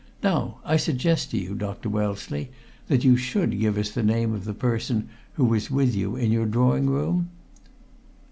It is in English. Now I suggest to you, Dr. Wellesley, that you should give us the name of the person who was with you in your drawing room?"